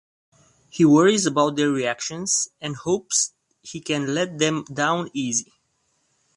He worries about their reactions and hopes he can let them down easy.